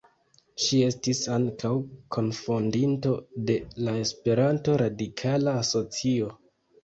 Ŝi estis ankaŭ kunfondinto de la Esperanto Radikala Asocio.